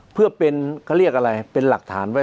เพื่อเป็นเขาเรียกอะไรเป็นหลักฐานไว้